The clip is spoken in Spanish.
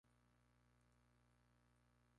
No son aves abundantes.